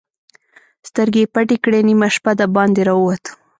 سترګې يې پټې کړې، نيمه شپه د باندې را ووت.